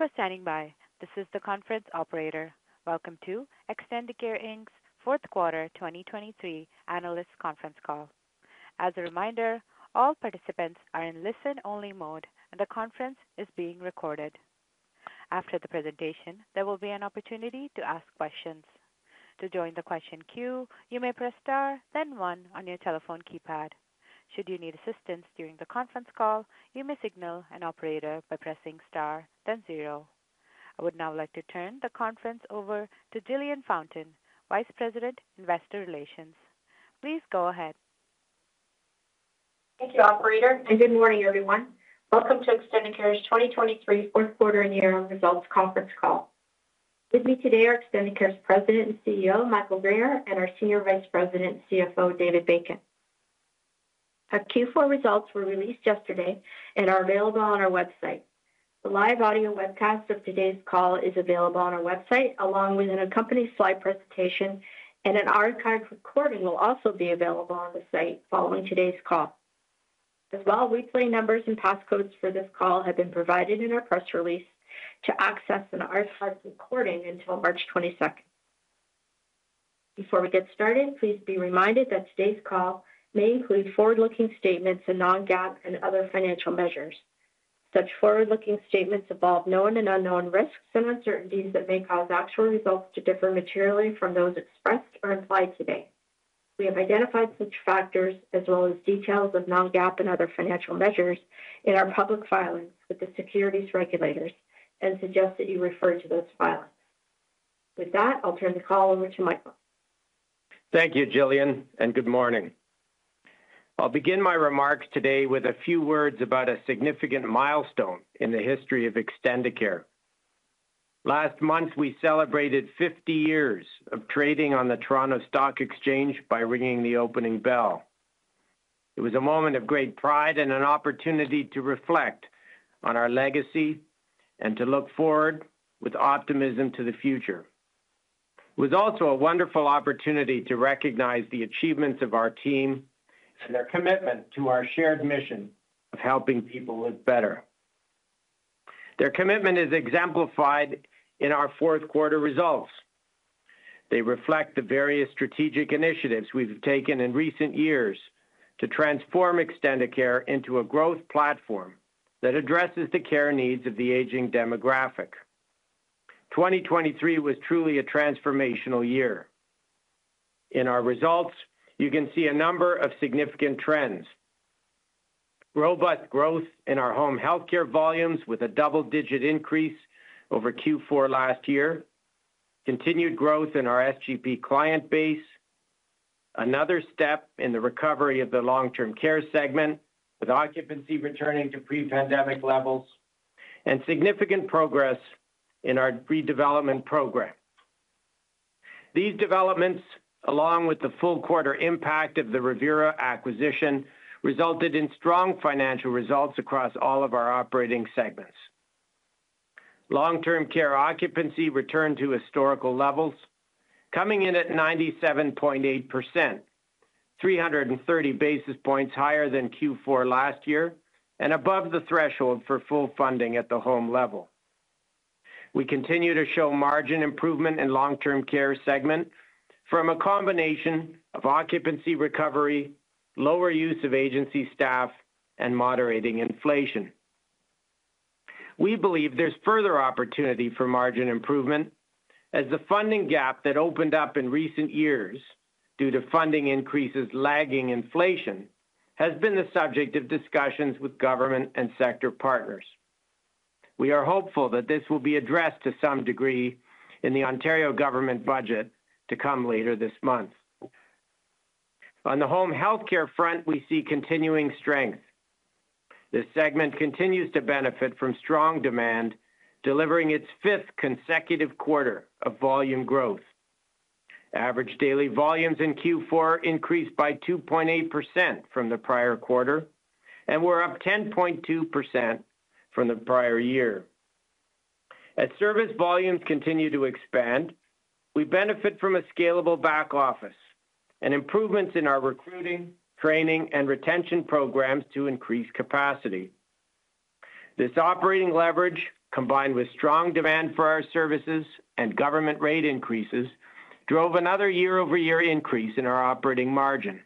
Thank you for standing by. This is the conference operator. Welcome to Extendicare Inc.'s fourth quarter 2023 analyst conference call. As a reminder, all participants are in listen-only mode, and the conference is being recorded. After the presentation, there will be an opportunity to ask questions. To join the question queue, you may press star, then one, on your telephone keypad. Should you need assistance during the conference call, you may signal an operator by pressing star, then zero. I would now like to turn the conference over to Jillian Fountain, Vice President, Investor Relations. Please go ahead. Thank you, Operator, and good morning, everyone. Welcome to Extendicare's 2023 fourth quarter and year-end results conference call. With me today are Extendicare's President and CEO, Michael Guerriere, and our Senior Vice President, CFO, David Bacon. Our Q4 results were released yesterday and are available on our website. The live audio webcast of today's call is available on our website, along with an accompanying slide presentation, and an archived recording will also be available on the site following today's call. As well, replay numbers and passcodes for this call have been provided in our press release to access an archived recording until March 22nd. Before we get started, please be reminded that today's call may include forward-looking statements and non-GAAP and other financial measures. Such forward-looking statements involve known and unknown risks and uncertainties that may cause actual results to differ materially from those expressed or implied today. We have identified such factors as well as details of non-GAAP and other financial measures in our public filings with the securities regulators and suggest that you refer to those filings. With that, I'll turn the call over to Michael. Thank you, Jillian, and good morning. I'll begin my remarks today with a few words about a significant milestone in the history of Extendicare. Last month, we celebrated 50 years of trading on the Toronto Stock Exchange by ringing the opening bell. It was a moment of great pride and an opportunity to reflect on our legacy and to look forward with optimism to the future. It was also a wonderful opportunity to recognize the achievements of our team and their commitment to our shared mission of helping people live better. Their commitment is exemplified in our fourth quarter results. They reflect the various strategic initiatives we've taken in recent years to transform Extendicare into a growth platform that addresses the care needs of the aging demographic. 2023 was truly a transformational year. In our results, you can see a number of significant trends: robust growth in our home health care volumes with a double-digit increase over Q4 last year, continued growth in our SGP client base, another step in the recovery of the long-term care segment with occupancy returning to pre-pandemic levels, and significant progress in our redevelopment program. These developments, along with the full-quarter impact of the Revera acquisition, resulted in strong financial results across all of our operating segments. Long-term care occupancy returned to historical levels, coming in at 97.8%, 330 basis points higher than Q4 last year and above the threshold for full funding at the home level. We continue to show margin improvement in long-term care segment from a combination of occupancy recovery, lower use of agency staff, and moderating inflation. We believe there's further opportunity for margin improvement, as the funding gap that opened up in recent years due to funding increases lagging inflation has been the subject of discussions with government and sector partners. We are hopeful that this will be addressed to some degree in the Ontario government budget to come later this month. On the home healthcare front, we see continuing strength. This segment continues to benefit from strong demand, delivering its fifth consecutive quarter of volume growth. Average daily volumes in Q4 increased by 2.8% from the prior quarter and were up 10.2% from the prior year. As service volumes continue to expand, we benefit from a scalable back office and improvements in our recruiting, training, and retention programs to increase capacity. This operating leverage, combined with strong demand for our services and government rate increases, drove another year-over-year increase in our operating margin.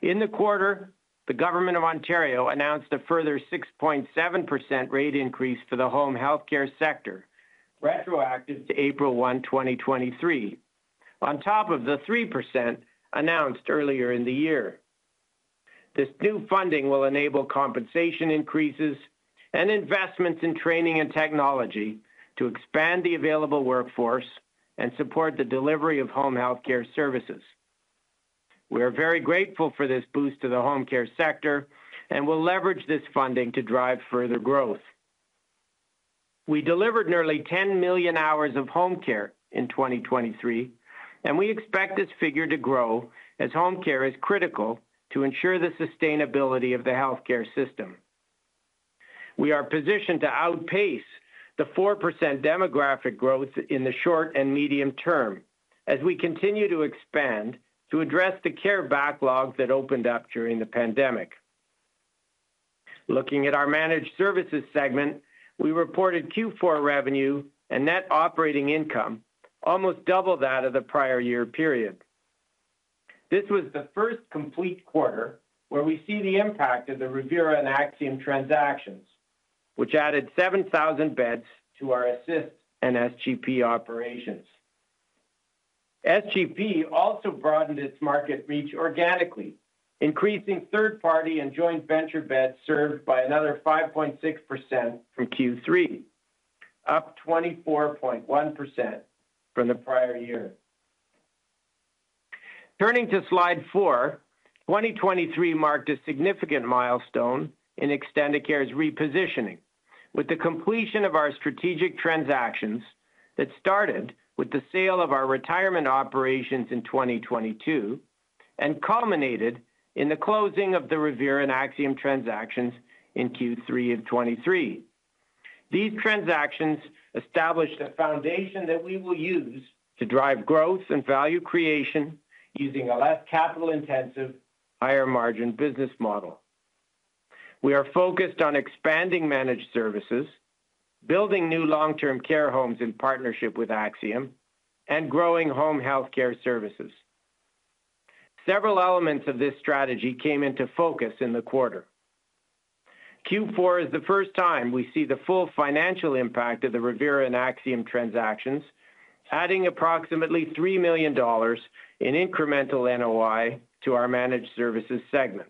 In the quarter, the Government of Ontario announced a further 6.7% rate increase for the home healthcare sector retroactive to April 1, 2023, on top of the 3% announced earlier in the year. This new funding will enable compensation increases and investments in training and technology to expand the available workforce and support the delivery of home healthcare services. We are very grateful for this boost to the home care sector and will leverage this funding to drive further growth. We delivered nearly 10 million hours of home care in 2023, and we expect this figure to grow as home care is critical to ensure the sustainability of the healthcare system. We are positioned to outpace the 4% demographic growth in the short and medium term as we continue to expand to address the care backlog that opened up during the pandemic. Looking at our managed services segment, we reported Q4 revenue and net operating income almost double that of the prior year period. This was the first complete quarter where we see the impact of the Revera and Axium transactions, which added 7,000 beds to our Assist and SGP operations. SGP also broadened its market reach organically, increasing third-party and joint venture beds served by another 5.6% from Q3, up 24.1% from the prior year. Turning to slide four, 2023 marked a significant milestone in Extendicare's repositioning, with the completion of our strategic transactions that started with the sale of our retirement operations in 2022 and culminated in the closing of the Revera and Axium transactions in Q3 of 2023. These transactions established a foundation that we will use to drive growth and value creation using a less capital-intensive, higher-margin business model. We are focused on expanding managed services, building new long-term care homes in partnership with Axium, and growing home healthcare services. Several elements of this strategy came into focus in the quarter. Q4 is the first time we see the full financial impact of the Revera and Axium transactions, adding approximately 3 million dollars in incremental NOI to our managed services segment.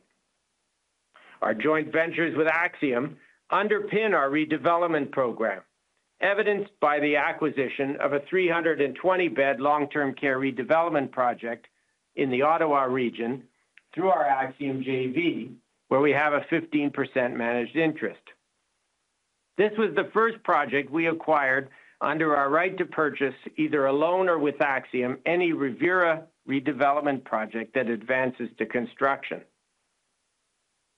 Our joint ventures with Axium underpin our redevelopment program, evidenced by the acquisition of a 320-bed long-term care redevelopment project in the Ottawa region through our Axium JV, where we have a 15% managed interest. This was the first project we acquired under our right to purchase either alone or with Axium any Revera redevelopment project that advances to construction.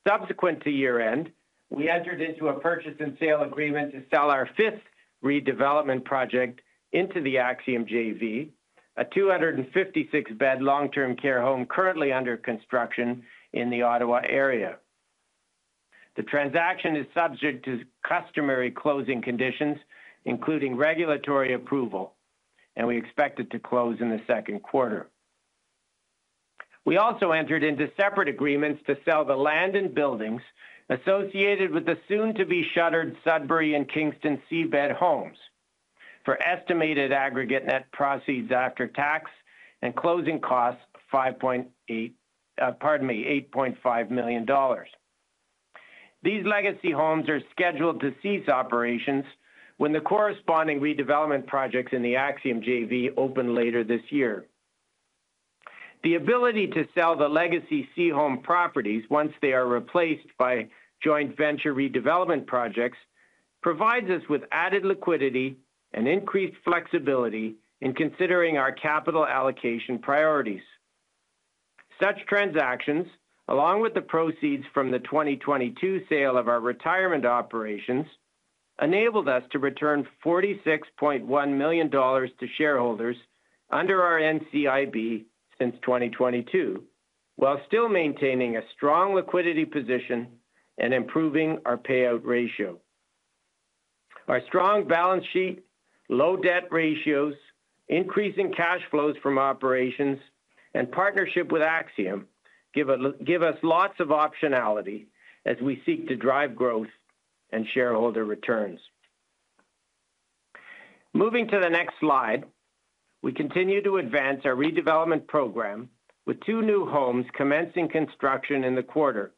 Subsequent to year-end, we entered into a purchase and sale agreement to sell our fifth redevelopment project into the Axium JV, a 256-bed long-term care home currently under construction in the Ottawa area. The transaction is subject to customary closing conditions, including regulatory approval, and we expect it to close in the second quarter. We also entered into separate agreements to sell the land and buildings associated with the soon-to-be-shuttered Sudbury and Kingston C-bed homes for estimated aggregate net proceeds after tax and closing costs of 8.5 million dollars. These legacy homes are scheduled to cease operations when the corresponding redevelopment projects in the Axium JV open later this year. The ability to sell the legacy C-home properties once they are replaced by joint venture redevelopment projects provides us with added liquidity and increased flexibility in considering our capital allocation priorities. Such transactions, along with the proceeds from the 2022 sale of our retirement operations, enabled us to return 46.1 million dollars to shareholders under our NCIB since 2022 while still maintaining a strong liquidity position and improving our payout ratio. Our strong balance sheet, low debt ratios, increasing cash flows from operations, and partnership with Axium give us lots of optionality as we seek to drive growth and shareholder returns. Moving to the next slide, we continue to advance our redevelopment program with two new homes commencing construction in the quarter,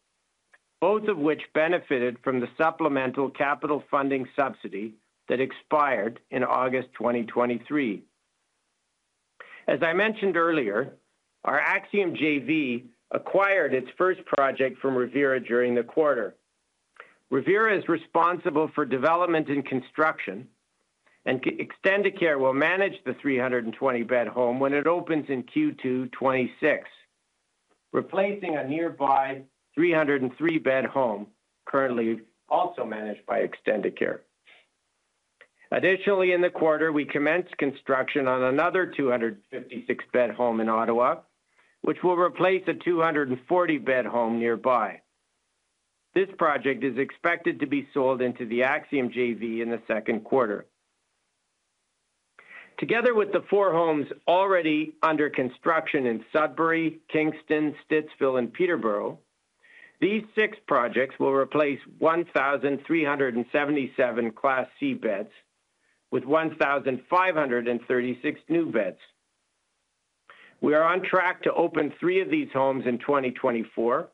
both of which benefited from the supplemental capital funding subsidy that expired in August 2023. As I mentioned earlier, our Axium JV acquired its first project from Revera during the quarter. Revera is responsible for development and construction, and Extendicare will manage the 320-bed home when it opens in Q2 2026, replacing a nearby 303-bed home currently also managed by Extendicare. Additionally, in the quarter, we commence construction on another 256-bed home in Ottawa, which will replace a 240-bed home nearby. This project is expected to be sold into the Axium JV in the second quarter. Together with the four homes already under construction in Sudbury, Kingston, Stittsville, and Peterborough, these six projects will replace 1,377 Class C-beds with 1,536 new beds. We are on track to open three of these homes in 2024,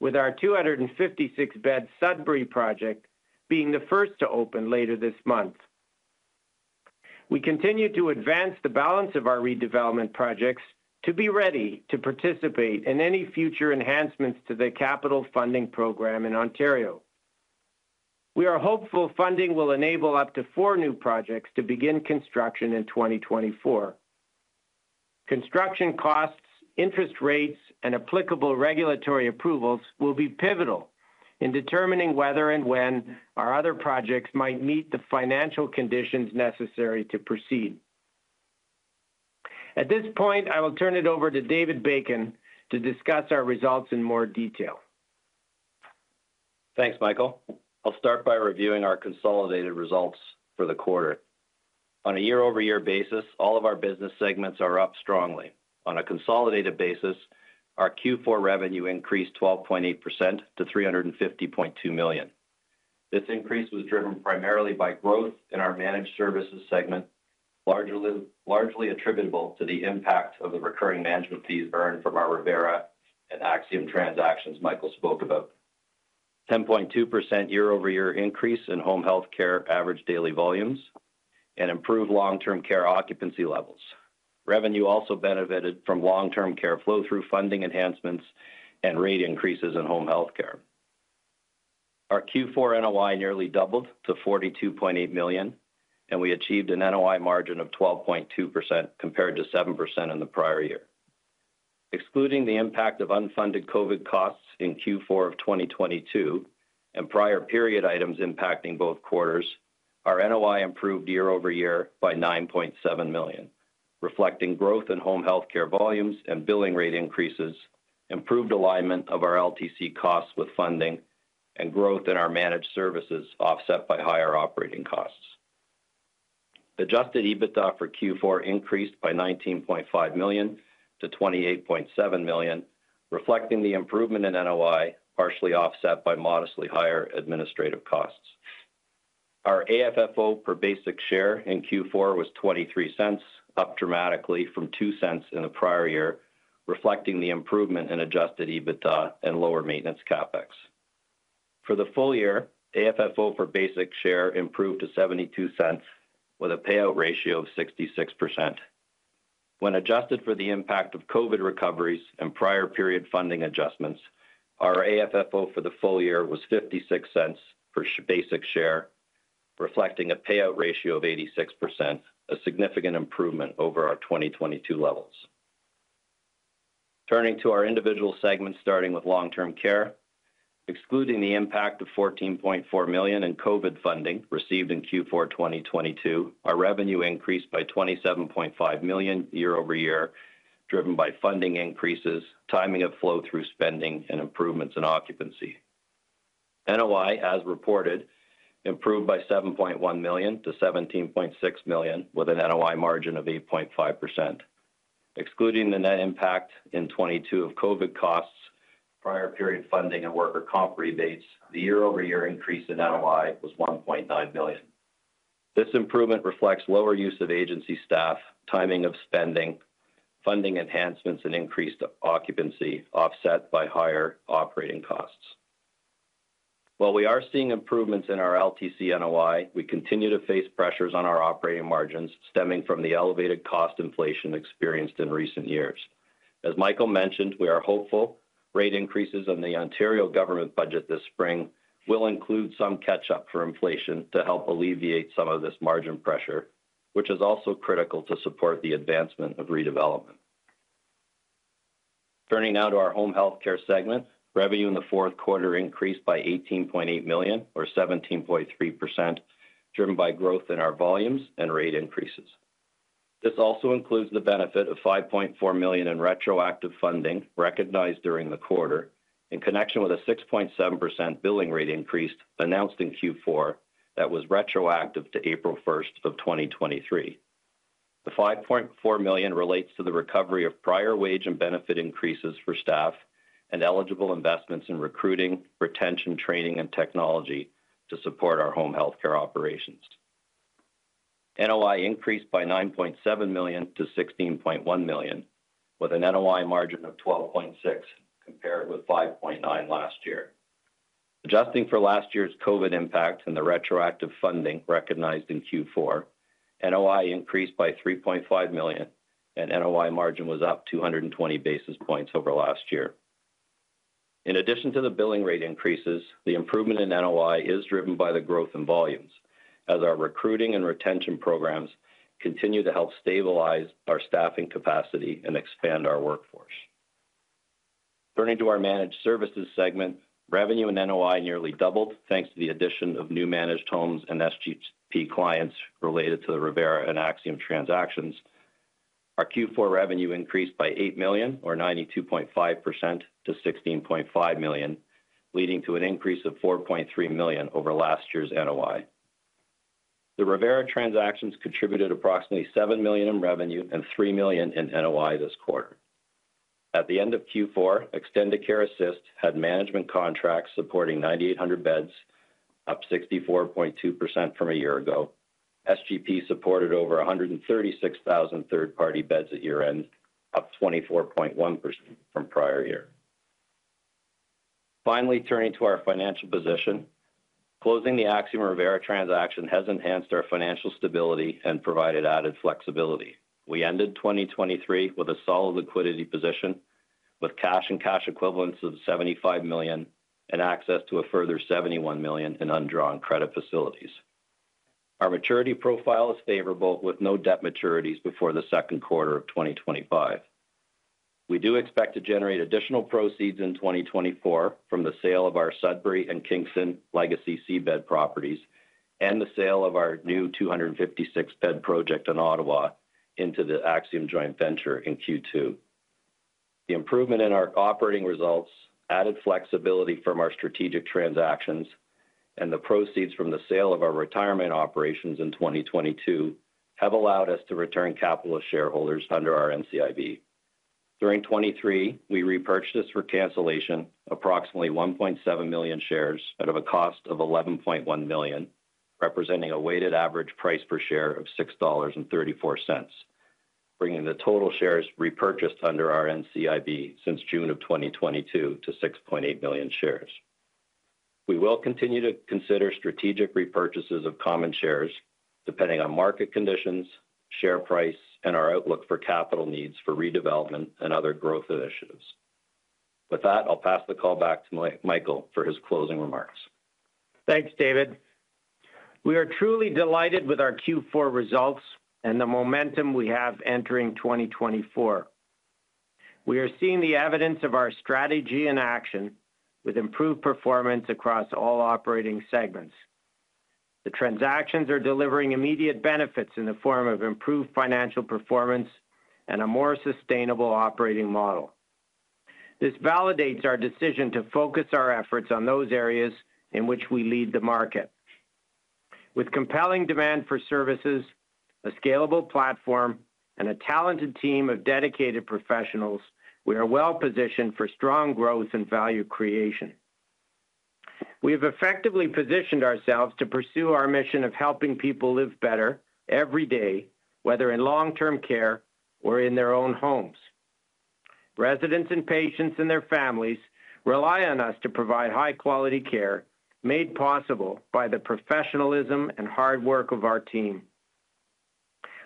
with our 256-bed Sudbury project being the first to open later this month. We continue to advance the balance of our redevelopment projects to be ready to participate in any future enhancements to the capital funding program in Ontario. We are hopeful funding will enable up to four new projects to begin construction in 2024. Construction costs, interest rates, and applicable regulatory approvals will be pivotal in determining whether and when our other projects might meet the financial conditions necessary to proceed. At this point, I will turn it over to David Bacon to discuss our results in more detail. Thanks, Michael. I'll start by reviewing our consolidated results for the quarter. On a year-over-year basis, all of our business segments are up strongly. On a consolidated basis, our Q4 revenue increased 12.8% to 350.2 million. This increase was driven primarily by growth in our managed services segment, largely attributable to the impact of the recurring management fees earned from our Revera and Axium transactions Michael spoke about, 10.2% year-over-year increase in home healthcare average daily volumes and improved long-term care occupancy levels. Revenue also benefited from long-term care flow-through funding enhancements and rate increases in home healthcare. Our Q4 NOI nearly doubled to 42.8 million, and we achieved an NOI margin of 12.2% compared to 7% in the prior year. Excluding the impact of unfunded COVID costs in Q4 of 2022 and prior period items impacting both quarters, our NOI improved year-over-year by 9.7 million, reflecting growth in home healthcare volumes and billing rate increases, improved alignment of our LTC costs with funding, and growth in our managed services offset by higher operating costs. Adjusted EBITDA for Q4 increased by 19.5 million to 28.7 million, reflecting the improvement in NOI partially offset by modestly higher administrative costs. Our AFFO per basic share in Q4 was 0.23, up dramatically from 0.02 in the prior year, reflecting the improvement in adjusted EBITDA and lower maintenance CapEx. For the full year, AFFO per basic share improved to 0.72 with a payout ratio of 66%. When adjusted for the impact of COVID recoveries and prior period funding adjustments, our AFFO for the full year was 0.56 per basic share, reflecting a payout ratio of 86%, a significant improvement over our 2022 levels. Turning to our individual segments starting with long-term care, excluding the impact of 14.4 million in COVID funding received in Q4 2022, our revenue increased by 27.5 million year-over-year, driven by funding increases, timing of flow-through spending, and improvements in occupancy. NOI, as reported, improved by 7.1 million to 17.6 million with an NOI margin of 8.5%. Excluding the net impact in 2022 of COVID costs, prior period funding, and worker comp rebates, the year-over-year increase in NOI was 1.9 million. This improvement reflects lower use of agency staff, timing of spending, funding enhancements, and increased occupancy offset by higher operating costs. While we are seeing improvements in our LTC NOI, we continue to face pressures on our operating margins stemming from the elevated cost inflation experienced in recent years. As Michael mentioned, we are hopeful rate increases in the Ontario government budget this spring will include some catch-up for inflation to help alleviate some of this margin pressure, which is also critical to support the advancement of redevelopment. Turning now to our home healthcare segment, revenue in the fourth quarter increased by 18.8 million or 17.3%, driven by growth in our volumes and rate increases. This also includes the benefit of 5.4 million in retroactive funding recognized during the quarter in connection with a 6.7% billing rate increase announced in Q4 that was retroactive to April 1st of 2023. The 5.4 million relates to the recovery of prior wage and benefit increases for staff and eligible investments in recruiting, retention, training, and technology to support our home healthcare operations. NOI increased by 9.7 million to 16.1 million with an NOI margin of 12.6% compared with 5.9% last year. Adjusting for last year's COVID impact and the retroactive funding recognized in Q4, NOI increased by 3.5 million, and NOI margin was up 220 basis points over last year. In addition to the billing rate increases, the improvement in NOI is driven by the growth in volumes as our recruiting and retention programs continue to help stabilize our staffing capacity and expand our workforce. Turning to our managed services segment, revenue in NOI nearly doubled thanks to the addition of new managed homes and SGP clients related to the Revera and Axium transactions. Our Q4 revenue increased by 8 million or 92.5% to 16.5 million, leading to an increase of 4.3 million over last year's NOI. The Revera transactions contributed approximately 7 million in revenue and 3 million in NOI this quarter. At the end of Q4, Extendicare Assist had management contracts supporting 9,800 beds, up 64.2% from a year ago. SGP supported over 136,000 third-party beds at year-end, up 24.1% from prior year. Finally, turning to our financial position, closing the Axium Revera transaction has enhanced our financial stability and provided added flexibility. We ended 2023 with a solid liquidity position with cash and cash equivalents of 75 million and access to a further 71 million in undrawn credit facilities. Our maturity profile is favorable with no debt maturities before the second quarter of 2025. We do expect to generate additional proceeds in 2024 from the sale of our Sudbury and Kingston legacy C-bed properties and the sale of our new 256-bed project in Ottawa into the Axium joint venture in Q2. The improvement in our operating results, added flexibility from our strategic transactions, and the proceeds from the sale of our retirement operations in 2022 have allowed us to return capital to shareholders under our NCIB. During 2023, we repurchased for cancellation approximately 1.7 million shares at a cost of 11.1 million, representing a weighted average price per share of 6.34 dollars, bringing the total shares repurchased under our NCIB since June of 2022 to 6.8 million shares. We will continue to consider strategic repurchases of common shares depending on market conditions, share price, and our outlook for capital needs for redevelopment and other growth initiatives. With that, I'll pass the call back to Michael for his closing remarks. Thanks, David. We are truly delighted with our Q4 results and the momentum we have entering 2024. We are seeing the evidence of our strategy in action with improved performance across all operating segments. The transactions are delivering immediate benefits in the form of improved financial performance and a more sustainable operating model. This validates our decision to focus our efforts on those areas in which we lead the market. With compelling demand for services, a scalable platform, and a talented team of dedicated professionals, we are well-positioned for strong growth and value creation. We have effectively positioned ourselves to pursue our mission of helping people live better every day, whether in long-term care or in their own homes. Residents and patients and their families rely on us to provide high-quality care made possible by the professionalism and hard work of our team.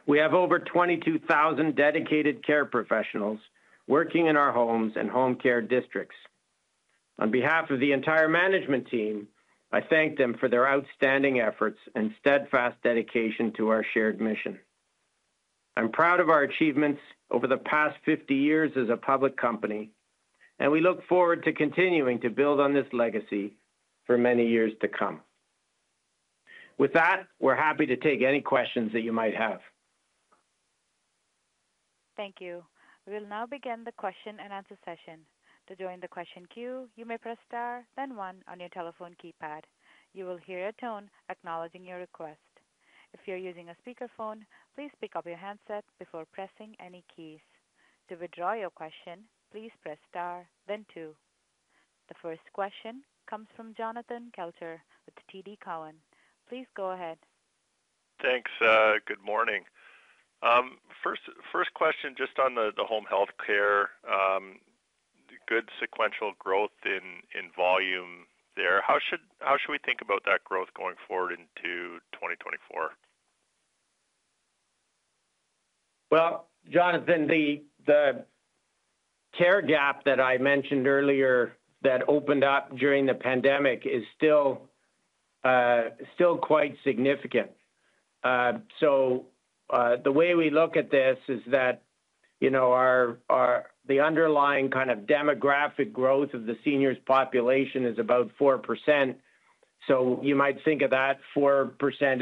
We have over 22,000 dedicated care professionals working in our homes and home care districts. On behalf of the entire management team, I thank them for their outstanding efforts and steadfast dedication to our shared mission. I'm proud of our achievements over the past 50 years as a public company, and we look forward to continuing to build on this legacy for many years to come. With that, we're happy to take any questions that you might have. Thank you. We will now begin the question and answer session. To join the question queue, you may press star, then one on your telephone keypad. You will hear a tone acknowledging your request. If you're using a speakerphone, please pick up your handset before pressing any keys. To withdraw your question, please press star, then two. The first question comes from Jonathan Kelcher with TD Cowen. Please go ahead. Thanks. Good morning. First question just on the home healthcare, good sequential growth in volume there. How should we think about that growth going forward into 2024? Well, Jonathan, the care gap that I mentioned earlier that opened up during the pandemic is still quite significant. So the way we look at this is that the underlying kind of demographic growth of the seniors' population is about 4%. So you might think of that 4%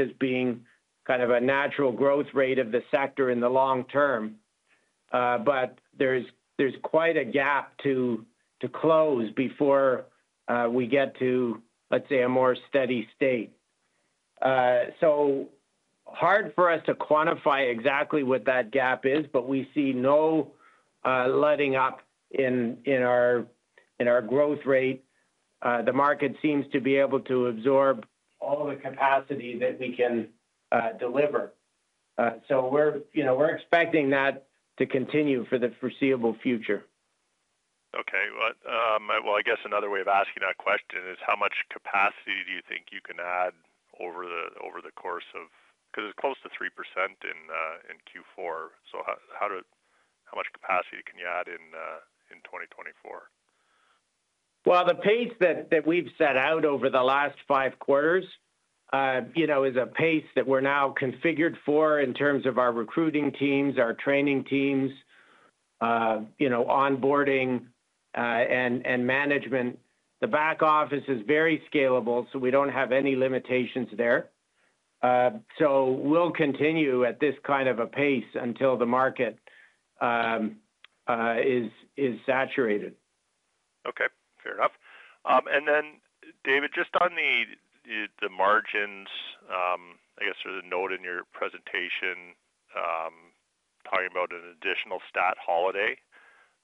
as being kind of a natural growth rate of the sector in the long term. But there's quite a gap to close before we get to, let's say, a more steady state. So hard for us to quantify exactly what that gap is, but we see no letting up in our growth rate. The market seems to be able to absorb all the capacity that we can deliver. So we're expecting that to continue for the foreseeable future. Okay. Well, I guess another way of asking that question is, how much capacity do you think you can add over the course of because it's close to 3% in Q4? So how much capacity can you add in 2024? Well, the pace that we've set out over the last five quarters is a pace that we're now configured for in terms of our recruiting teams, our training teams, onboarding, and management. The back office is very scalable, so we don't have any limitations there. So we'll continue at this kind of a pace until the market is saturated. Okay. Fair enough. And then, David, just on the margins, I guess, or the note in your presentation talking about an additional stat holiday,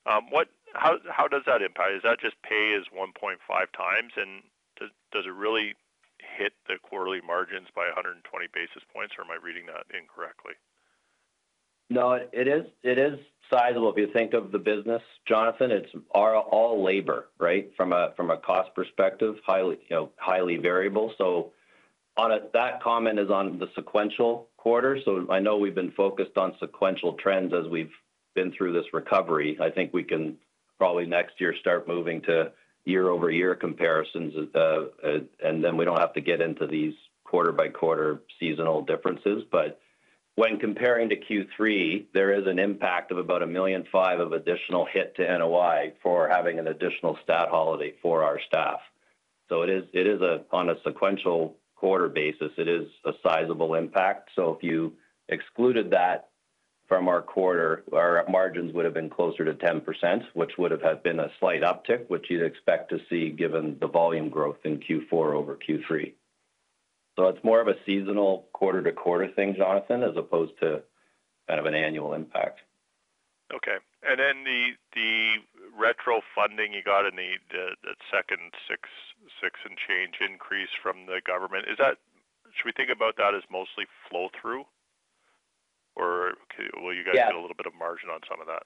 how does that impact? Is that just pay is 1.5x, and does it really hit the quarterly margins by 120 basis points, or am I reading that incorrectly? No, it is sizable. If you think of the business, Jonathan, it's all labor, right, from a cost perspective, highly variable. So that comment is on the sequential quarter. So I know we've been focused on sequential trends as we've been through this recovery. I think we can probably next year start moving to year-over-year comparisons, and then we don't have to get into these quarter-by-quarter seasonal differences. But when comparing to Q3, there is an impact of about 1.5 million of additional hit to NOI for having an additional stat holiday for our staff. So it is on a sequential quarter basis. It is a sizable impact. So if you excluded that from our quarter, our margins would have been closer to 10%, which would have been a slight uptick, which you'd expect to see given the volume growth in Q4 over Q3. It's more of a seasonal quarter-to-quarter thing, Jonathan, as opposed to kind of an annual impact. Okay. And then the retrofunding you got in that second 6 and change increase from the government, should we think about that as mostly flow-through? Or will you guys get a little bit of margin on some of that?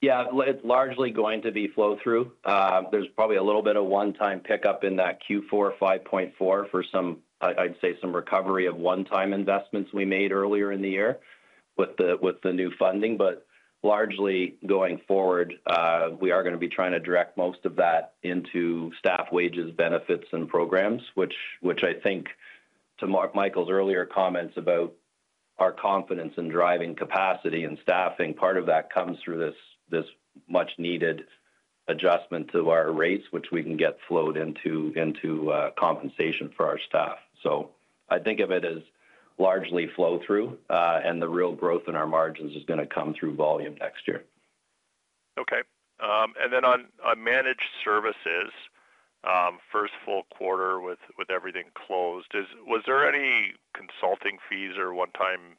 Yeah. It's largely going to be flow-through. There's probably a little bit of one-time pickup in that Q4 5.4 for some, I'd say, some recovery of one-time investments we made earlier in the year with the new funding. But largely going forward, we are going to be trying to direct most of that into staff wages, benefits, and programs, which I think, to Michael's earlier comments about our confidence in driving capacity and staffing, part of that comes through this much-needed adjustment to our rates, which we can get flowed into compensation for our staff. So I think of it as largely flow-through, and the real growth in our margins is going to come through volume next year. Okay. And then on managed services, first full quarter with everything closed, was there any consulting fees or one-time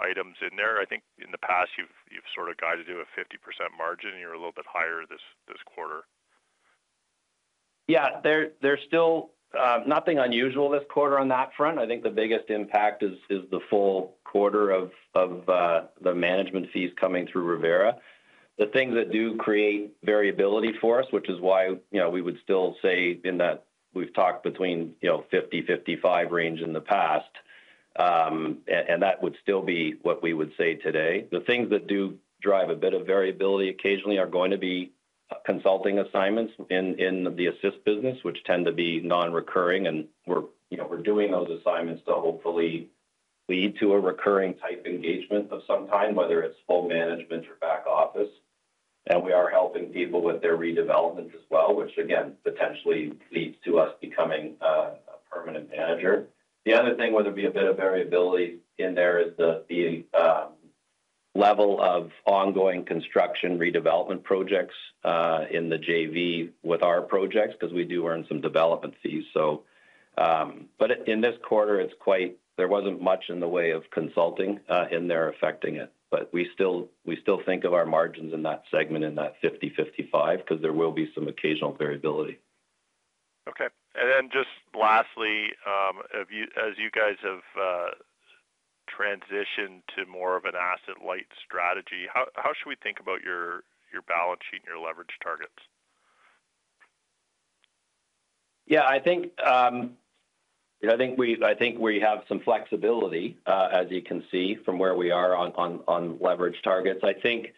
items in there? I think in the past, you've sort of got to do a 50% margin, and you're a little bit higher this quarter. Yeah. There's still nothing unusual this quarter on that front. I think the biggest impact is the full quarter of the management fees coming through Revera. The things that do create variability for us, which is why we would still say in that we've talked between 50%-55% range in the past, and that would still be what we would say today. The things that do drive a bit of variability occasionally are going to be consulting assignments in the assist business, which tend to be non-recurring. And we're doing those assignments to hopefully lead to a recurring type engagement of some kind, whether it's full management or back office. And we are helping people with their redevelopment as well, which, again, potentially leads to us becoming a permanent manager. The other thing, whether it be a bit of variability in there, is the level of ongoing construction redevelopment projects in the JV with our projects because we do earn some development fees. But in this quarter, there wasn't much in the way of consulting in there affecting it. But we still think of our margins in that segment in that 50%-55% because there will be some occasional variability. Okay. And then just lastly, as you guys have transitioned to more of an asset-light strategy, how should we think about your balance sheet and your leverage targets? Yeah. I think we have some flexibility, as you can see, from where we are on leverage targets. I think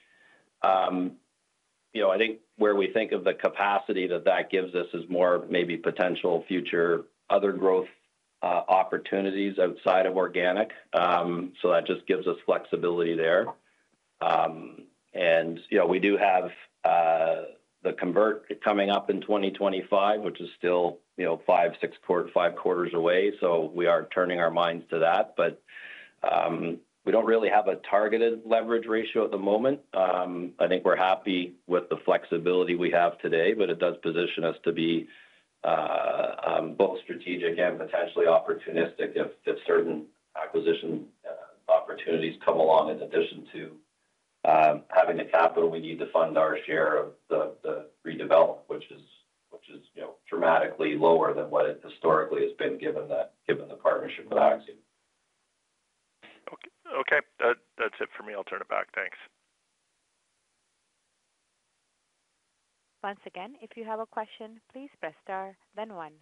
where we think of the capacity that that gives us is more maybe potential future other growth opportunities outside of organic. So that just gives us flexibility there. And we do have the convert coming up in 2025, which is still five, six quarters away. So we are turning our minds to that. But we don't really have a targeted leverage ratio at the moment. I think we're happy with the flexibility we have today, but it does position us to be both strategic and potentially opportunistic if certain acquisition opportunities come along in addition to having the capital we need to fund our share of the redevelopment, which is dramatically lower than what it historically has been given the partnership with Axium. Okay. That's it for me. I'll turn it back. Thanks. Once again, if you have a question, please press star, then one.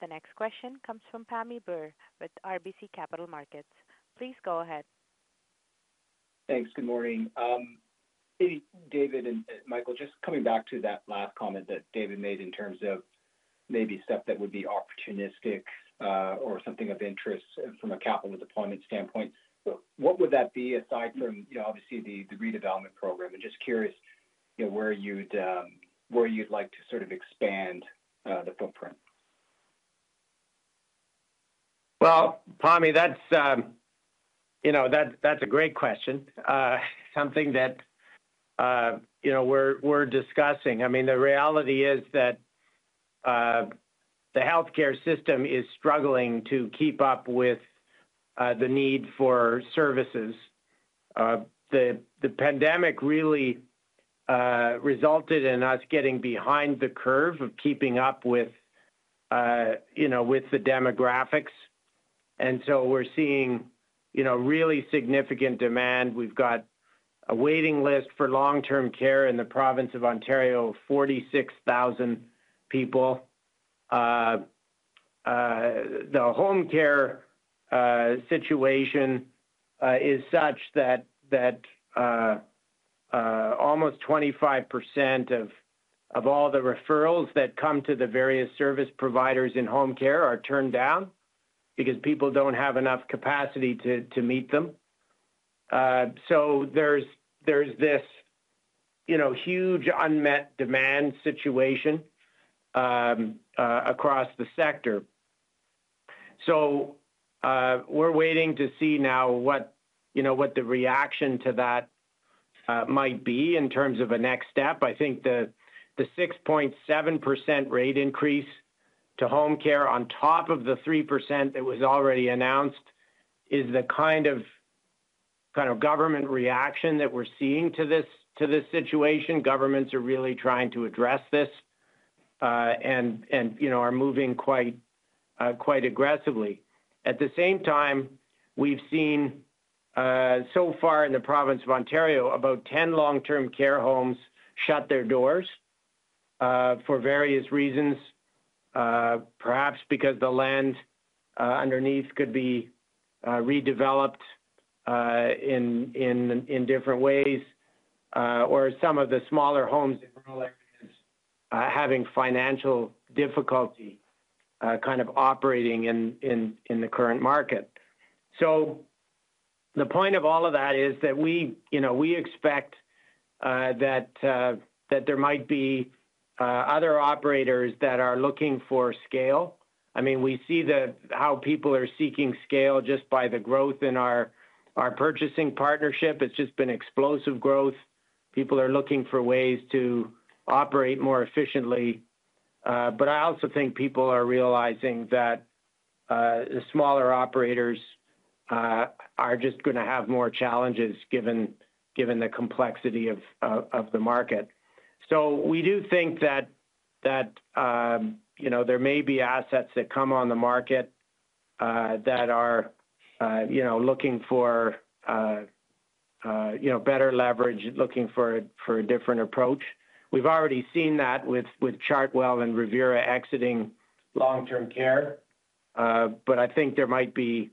The next question comes from Pammi Bir with RBC Capital Markets. Please go ahead. Thanks. Good morning. David and Michael, just coming back to that last comment that David made in terms of maybe stuff that would be opportunistic or something of interest from a capital deployment standpoint, what would that be aside from, obviously, the redevelopment program? And just curious where you'd like to sort of expand the footprint. Well, Pammi, that's a great question, something that we're discussing. I mean, the reality is that the healthcare system is struggling to keep up with the need for services. The pandemic really resulted in us getting behind the curve of keeping up with the demographics. And so we're seeing really significant demand. We've got a waiting list for long-term care in the province of Ontario, 46,000 people. The home care situation is such that almost 25% of all the referrals that come to the various service providers in home care are turned down because people don't have enough capacity to meet them. So there's this huge unmet demand situation across the sector. So we're waiting to see now what the reaction to that might be in terms of a next step. I think the 6.7% rate increase to home care on top of the 3% that was already announced is the kind of government reaction that we're seeing to this situation. Governments are really trying to address this and are moving quite aggressively. At the same time, we've seen so far in the province of Ontario, about 10 long-term care homes shut their doors for various reasons, perhaps because the land underneath could be redeveloped in different ways, or some of the smaller homes in rural areas having financial difficulty kind of operating in the current market. So the point of all of that is that we expect that there might be other operators that are looking for scale. I mean, we see how people are seeking scale just by the growth in our purchasing partnership. It's just been explosive growth. People are looking for ways to operate more efficiently. But I also think people are realizing that the smaller operators are just going to have more challenges given the complexity of the market. So we do think that there may be assets that come on the market that are looking for better leverage, looking for a different approach. We've already seen that with Chartwell and Revera exiting long-term care. But I think there might be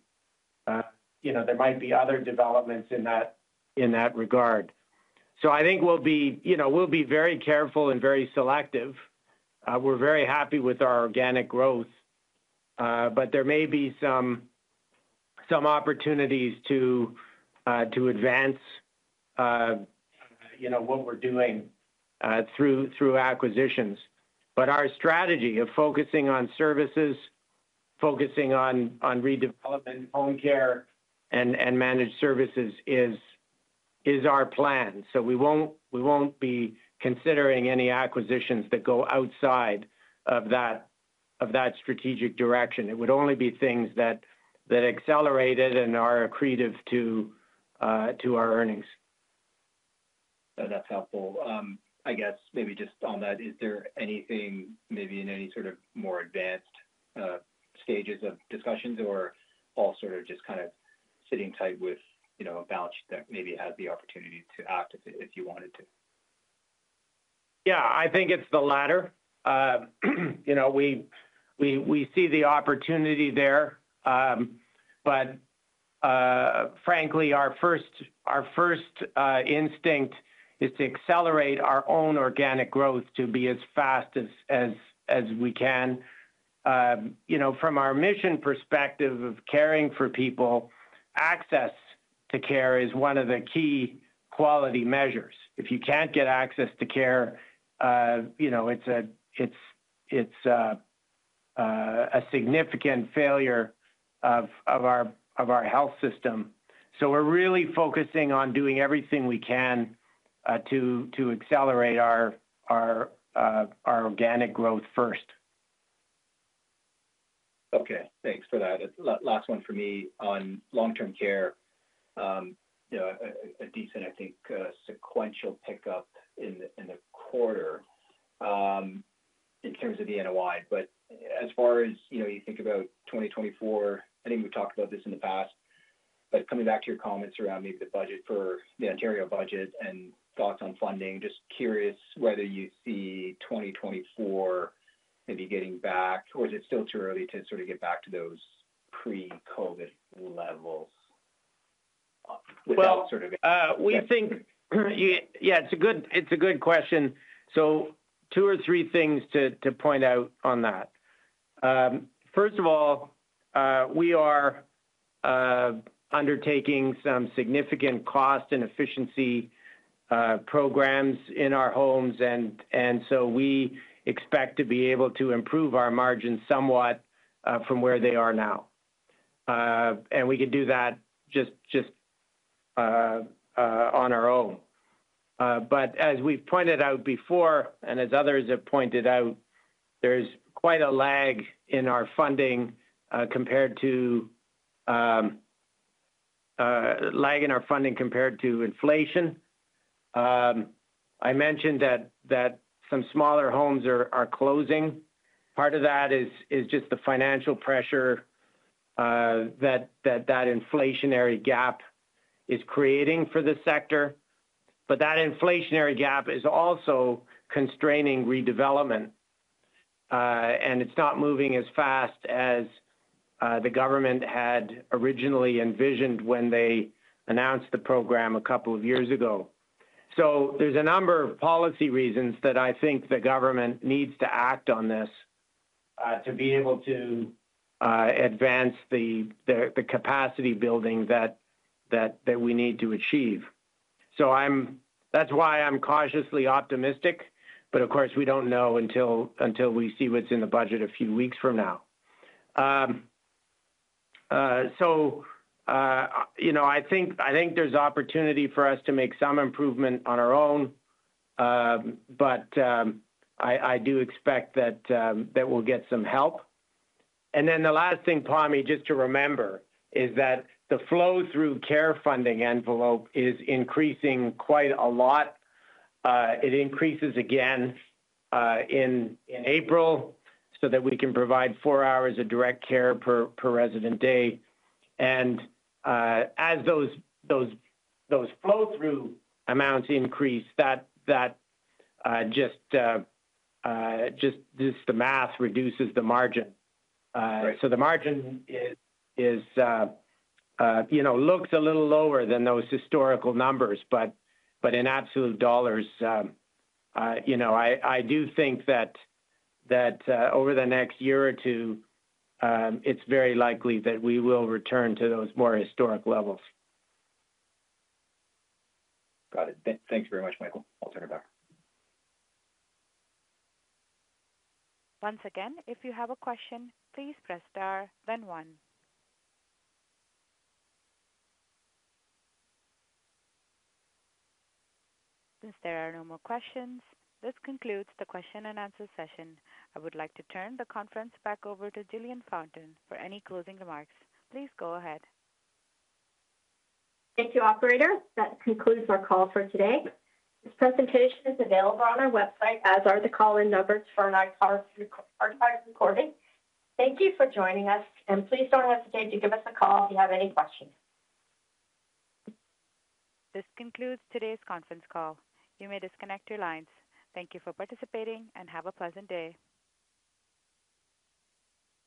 other developments in that regard. So I think we'll be very careful and very selective. We're very happy with our organic growth. But there may be some opportunities to advance what we're doing through acquisitions. But our strategy of focusing on services, focusing on redevelopment, home care, and managed services is our plan. So we won't be considering any acquisitions that go outside of that strategic direction. It would only be things that accelerated and are accretive to our earnings. That's helpful. I guess maybe just on that, is there anything maybe in any sort of more advanced stages of discussions, or all sort of just kind of sitting tight with a vouch that maybe has the opportunity to act if you wanted to? Yeah. I think it's the latter. We see the opportunity there. But frankly, our first instinct is to accelerate our own organic growth to be as fast as we can. From our mission perspective of caring for people, access to care is one of the key quality measures. If you can't get access to care, it's a significant failure of our health system. So we're really focusing on doing everything we can to accelerate our organic growth first. Okay. Thanks for that. Last one for me on long-term care, a decent, I think, sequential pickup in the quarter in terms of the NOI. But as far as you think about 2024, I think we've talked about this in the past. But coming back to your comments around maybe the Ontario budget and thoughts on funding, just curious whether you see 2024 maybe getting back, or is it still too early to sort of get back to those pre-COVID levels without sort of. Well, yeah, it's a good question. So two or three things to point out on that. First of all, we are undertaking some significant cost and efficiency programs in our homes. And so we expect to be able to improve our margins somewhat from where they are now. And we could do that just on our own. But as we've pointed out before, and as others have pointed out, there's quite a lag in our funding compared to lag in our funding compared to inflation. I mentioned that some smaller homes are closing. Part of that is just the financial pressure that that inflationary gap is creating for the sector. But that inflationary gap is also constraining redevelopment. And it's not moving as fast as the government had originally envisioned when they announced the program a couple of years ago. So there's a number of policy reasons that I think the government needs to act on this to be able to advance the capacity building that we need to achieve. So that's why I'm cautiously optimistic. But of course, we don't know until we see what's in the budget a few weeks from now. So I think there's opportunity for us to make some improvement on our own. But I do expect that we'll get some help. And then the last thing, Pammi, just to remember, is that the flow-through care funding envelope is increasing quite a lot. It increases again in April so that we can provide four hours of direct care per resident day. And as those flow-through amounts increase, just the math reduces the margin. So the margin looks a little lower than those historical numbers. But in absolute dollars, I do think that over the next year or two, it's very likely that we will return to those more historic levels. Got it. Thanks very much, Michael. I'll turn it back. Once again, if you have a question, please press star, then one. Since there are no more questions, this concludes the question-and-answer session. I would like to turn the conference back over to Jillian Fountain for any closing remarks. Please go ahead. Thank you, operator. That concludes our call for today. This presentation is available on our website, as are the call-in numbers for our archive recording. Thank you for joining us. Please don't hesitate to give us a call if you have any questions. This concludes today's conference call. You may disconnect your lines. Thank you for participating, and have a pleasant day.